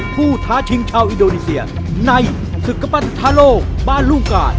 ผู้ท้าชิงชาวอิโดนีเซียในศึกปั้นสถานโลกบ้านรุ่งกา